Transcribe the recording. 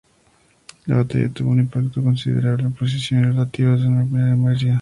La batalla tuvo un impacto considerable sobre las posiciones relativas de Northumbria y Mercia.